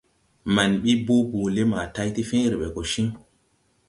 Maŋ ɓi boo boole ma tay ti fẽẽre ɓe go ciŋ.